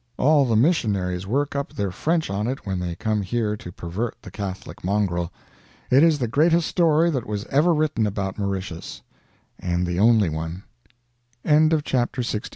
All the missionaries work up their French on it when they come here to pervert the Catholic mongrel. It is the greatest story that was ever written about Mauritius, and the only one." CHAPTER LXIII.